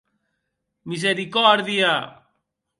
Misericòrdia!